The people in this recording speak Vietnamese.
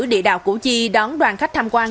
địa đạo củ chi đón đoàn khách tham quan